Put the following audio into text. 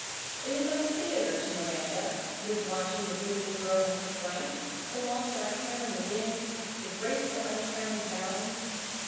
It was like a theatre to Miranda, this watching the beautiful girl in her flight, the long dark hair in the wind, the graceful untrammeled bounds.